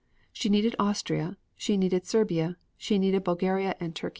She needed Austria, she needed Serbia, she needed Bulgaria and Turkey.